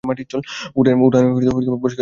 উঠোনেই পরিষ্কার ঝকঝকে মাটির চুল।